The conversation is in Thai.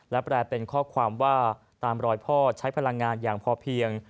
และแปลเป็นข้อความว่าตามรอยพ่อใช้พลังงานอย่างพอเพียง